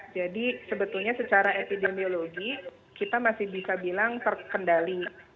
jadi sebetulnya secara epidemiologi kita masih bisa bilang terkendali